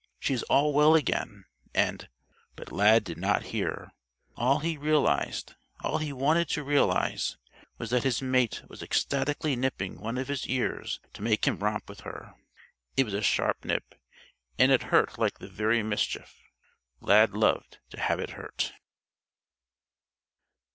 She's all well again, and " But Lad did not hear. All he realized all he wanted to realize was that his mate was ecstatically nipping one of his ears to make him romp with her. It was a sharp nip; and it hurt like the very mischief. Lad loved to have it hurt.